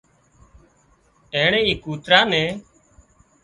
اينڻي اي ڪوترا نين